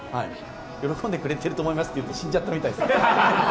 喜んでくれてると思いますって言うと、死んじゃったみたいですね。